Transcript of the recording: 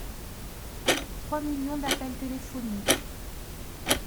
Trois millions d’appels téléphoniques.